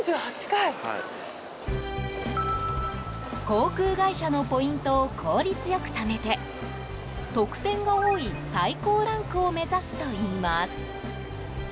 航空会社のポイントを効率良く集めて特典が多い最高ランクを目指すといいます。